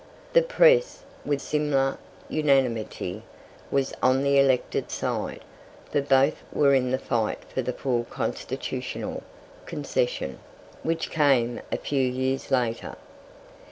The press, with similar unanimity, was on the elected side, for both were in the fight for the full "constitutional" concession, which came a few years later.